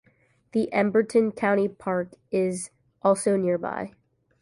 The Emberton Country Park is also nearby.